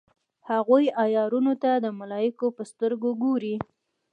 هغوی عیارانو ته د ملایکو په سترګه ګوري.